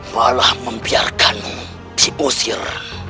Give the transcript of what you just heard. malah membiarkanmu diusir